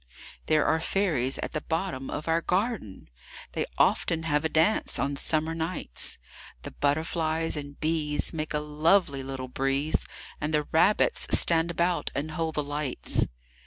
There are fairies at the bottom of our garden! They often have a dance on summer nights; The butterflies and bees make a lovely little breeze, And the rabbits stand about and hold the lights.